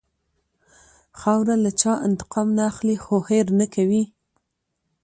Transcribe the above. خاوره له چا انتقام نه اخلي، خو هېر نه کوي.